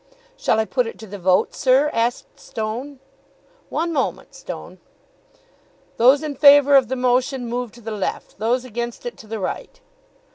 "Shall I put it to the vote, sir?" asked Stone. "One moment, Stone." "Those in favour of the motion move to the left, those against it to the right."